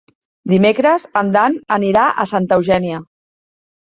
Dimecres en Dan anirà a Santa Eugènia.